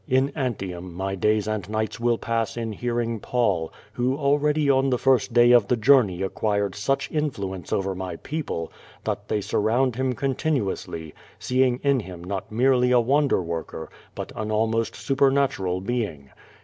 In Antium my days and nights will pass in hearing Paul, QVO VADlfi, 283 who already on the first da}' of the journey acquired such influence over niv people, that they surround him continu ously, seeing in him not merely a wonder worker, l)ut an almost supernatural being.